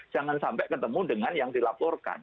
jangan sampai ketemu dengan yang dilaporkan